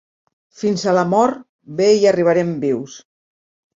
Fins a la mort, bé hi arribarem vius.